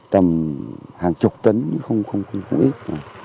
tầm hàng chục tấn không ít